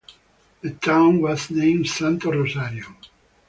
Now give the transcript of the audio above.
The town was named "Santo Rosario".